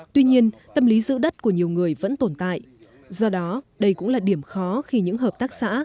tuy nhiên tâm lý giữ đất của nhiều người vẫn tồn tại do đó đây cũng là điểm khó khi những hợp tác xã